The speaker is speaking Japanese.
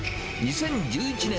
２０１１年